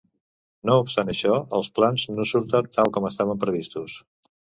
No obstant això, els plans no surten tal com estaven previstos.